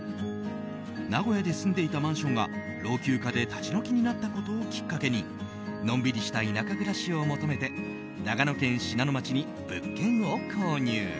名古屋で住んでいたマンションが老朽化で立ち退きになったことをきっかけにのんびりした田舎暮らしを求めて長野県信濃町に物件を購入。